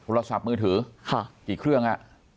โทรศัพท์มือถือกี่เครื่อง